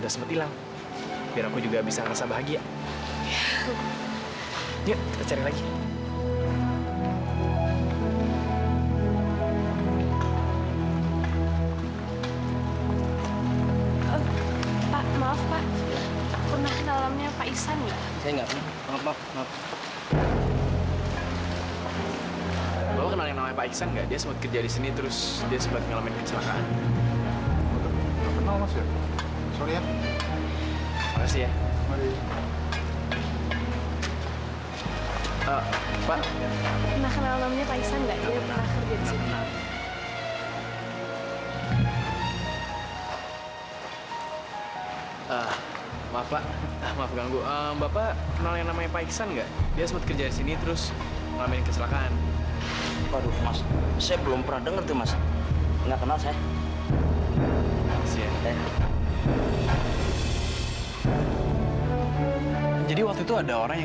sampai jumpa di video selanjutnya